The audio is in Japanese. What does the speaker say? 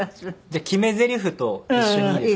じゃあ決めゼリフと一緒にいいですか？